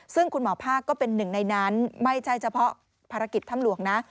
ซึ่งคุณหมอภาคก็เป็นหนึ่งในนั้นไม่ใช่เฉพาะภารกิจถ้ำหลวงนะ